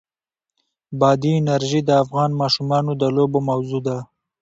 بادي انرژي د افغان ماشومانو د لوبو موضوع ده.